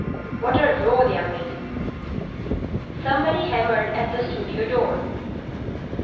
What a row they're making!" Somebody hammered at the studio door.